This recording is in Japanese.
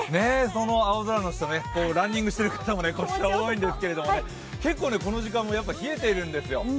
その青空の下、ランニングしてる方も多いんですけどね、結構この時間も冷えているんですよ。